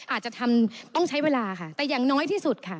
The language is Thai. อาจจะทำต้องใช้เวลาค่ะแต่อย่างน้อยที่สุดค่ะ